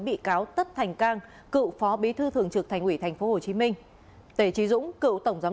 bị cáo tất thành cang cựu phó bí thư thường trực thành ủy tp hcm tề trí dũng cựu tổng giám